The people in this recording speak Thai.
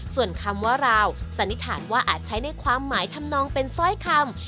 ส่วนคำว่าราวสันนิษฐานว่าอาจใช้ในความหมายทำนองเป็นสร้อยคำ